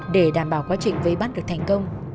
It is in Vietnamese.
để đảm bảo quá trình vây bắt được thành công